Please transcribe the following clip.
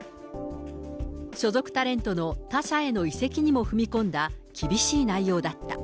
所属タレントの他社への移籍へも踏み込んだ厳しい内容だった。